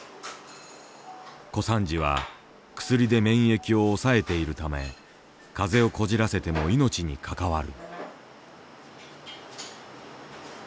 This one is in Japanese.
小三治は薬で免疫を抑えているため風邪をこじらせても命にかかわる。